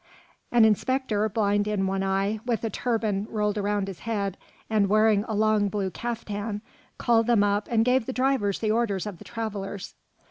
An inspector, blind in one eye, with a turban rolled around his head and wearing a long blue caftan, called them up and gave the drivers the orders of the travellers.